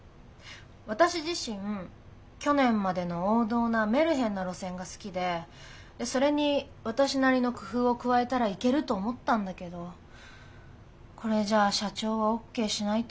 私自身去年までの王道なメルヘンな路線が好きでそれに私なりの工夫を加えたらいけると思ったんだけどこれじゃあ社長はＯＫしないと思う。